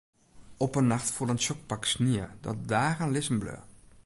Op in nacht foel der in tsjok pak snie dat dagen lizzen bleau.